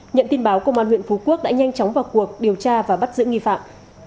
nhận tin báo công an huyện phú quốc đã nhanh chóng vào cuộc điều tra và bắt giữ nghi phạm